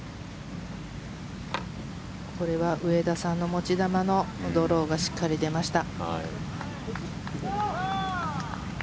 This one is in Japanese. これは上田さんの持ち球のドローがしっかり出ました。